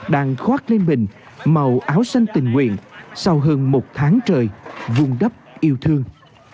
đang khoác lên bình màu áo xanh tình nguyện sau hơn một tháng trời vuông đắp yêu thương